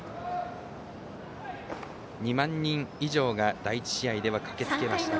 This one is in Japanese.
２万人以上が第１試合では駆けつけました。